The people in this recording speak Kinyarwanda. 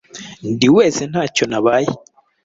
ndi wese ntacyo nabaye